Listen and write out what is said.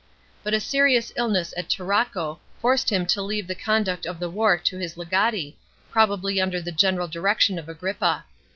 But a serious illness at Tarraco forced him to leave the conduct of the war to his legati, probably under the general direction of Agrippa.